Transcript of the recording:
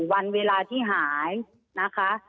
วันเวลาที่หายนะคะ